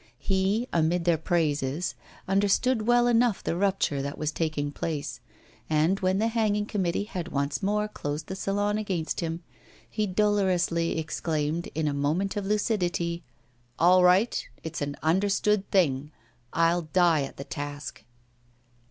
He, amidst their praises, understood well enough the rupture that was taking place, and when the hanging committee had once more closed the Salon against him, he dolorously exclaimed, in a moment of lucidity: 'All right; it's an understood thing I'll die at the task.